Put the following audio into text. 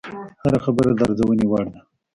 هره خبره د ارزونې وړ ده